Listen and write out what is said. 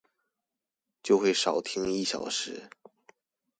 就會少聽一小時